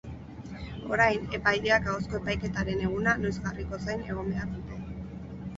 Orain, epaileak ahozko epaiketaren eguna noiz jarriko zain egon behar dute.